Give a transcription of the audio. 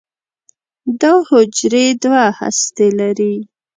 دا حجرې دوه هستې لري.